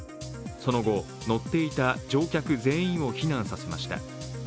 その後、乗っていた乗客全員を避難させました。